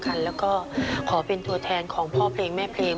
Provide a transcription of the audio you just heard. ก็แล้วกันแล้วก็ขอเป็นตัวแทนของพ่อเพลงคลามห้า